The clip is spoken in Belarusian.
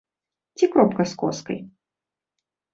Ці кропка з коскай.